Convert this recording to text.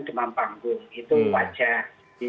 demam panggung itu wajar